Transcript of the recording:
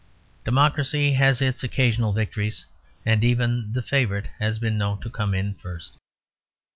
Democracy has its occasional victories; and even the Favourite has been known to come in first.